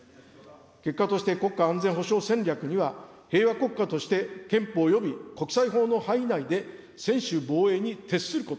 結果として、国家安全保障戦略には、平和国家として憲法および国際法の範囲内で、専守防衛に徹すること。